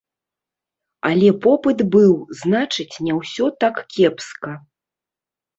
Але попыт быў, значыць, не ўсё так кепска.